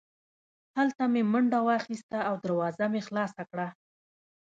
هلته مې منډه واخیسته او دروازه مې خلاصه کړه